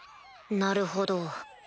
なるほど。